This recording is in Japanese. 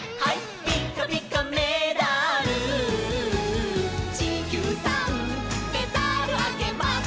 「ピッカピカメダル」「ちきゅうさんメダルあげます」